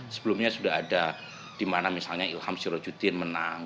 sebelumnya sudah ada di mana misalnya ilham sirojuddin menang